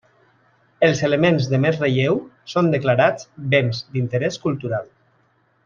Els elements de més relleu són declarats béns d'interès cultural.